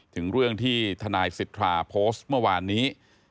ถึงเรื่องที่ทนายสิทธาโพสต์เมื่อวานนี้